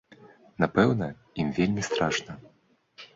Напэўна, ім вельмі страшна?